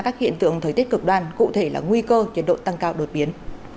các hiện tượng thời tiết cực đoan cụ thể là nguy cơ nhiệt độ tăng cao đột biến